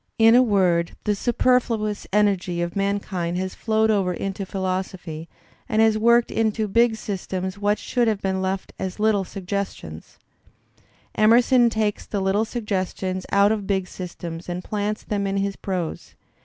In a word, the superfluous energy of mankind has flowed over into philosophy, and has worked into big systems what should have been left as little sugges tions/' Emerson takes the little suggestions out of big systems and ^plants them in his prose.